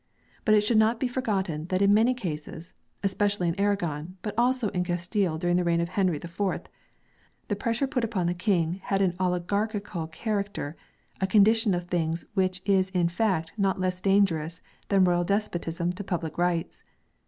But it should not be forgotten that in many cases especially in Aragon, but also in Castile during the reign of Henry IV the pressure put upon the King had an oligarchical character, a condition of things which is in fact not less dangerous than royal despotism to public rights.